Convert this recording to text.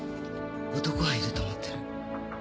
男がいると思ってる。